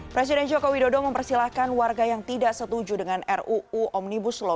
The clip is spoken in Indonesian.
presiden joko widodo mempersilahkan warga yang tidak setuju dengan ruu omnibus law